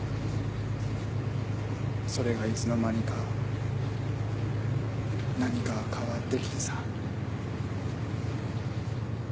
それがいつの間にか何かが変わって来てさ。